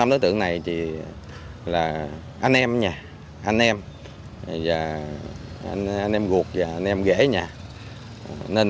năm tối tượng này là anh em anh em gột và anh em ghế